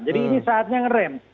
jadi ini saatnya nge rem